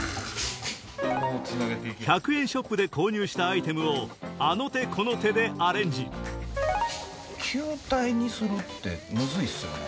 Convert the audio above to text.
１００円ショップで購入したアイテムをあの手この手でアレンジ球体にするってムズいっすよね。